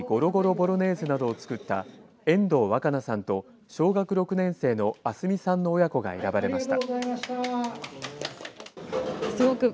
ボロネーゼなどを作った遠藤若奈さんと小学６年生の亜純さんの親子が選ばれました。